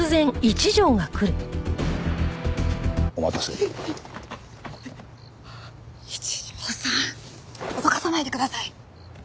一条さん脅かさないでください！